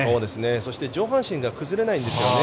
そして上半身が崩れないんですよね。